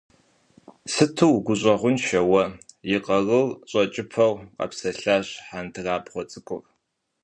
Сыту угущӀэгъуншэ уэ, - и къарур щӀэкӀыпэу къэпсэлъащ хьэндырабгъуэ цӀыкӀур.